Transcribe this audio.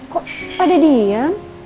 kok pada diem